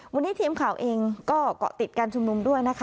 วันนี้ทีมข่าวเองก็เกาะติดการชุมนุมด้วยนะคะ